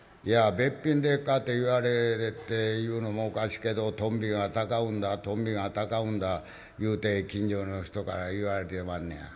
べっぴんでっかって言われて言うのもおかしいけど鳶が鷹生んだ鳶が鷹生んだ言うて近所の人から言われてまんねや」。